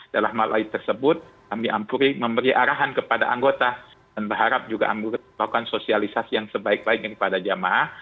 dalam hal lain tersebut kami ampli memberi arahan kepada anggota dan berharap juga anggota melakukan sosialisasi yang sebaik baik daripada jemaah